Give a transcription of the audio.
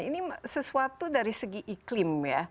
ini sesuatu dari segi iklim ya